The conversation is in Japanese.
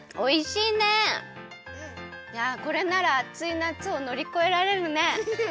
いやこれならあついなつをのりこえられるね！